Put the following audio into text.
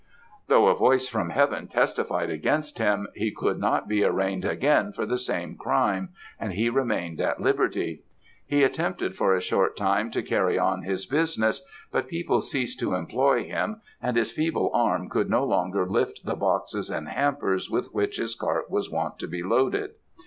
"Though a voice from Heaven testified against him, he could not be arraigned again for the same crime, and he remained at liberty. He attempted for a short time to carry on his business, but people ceased to employ him; and his feeble arm could no longer lift the boxes and hampers with which his cart was wont to be loaded.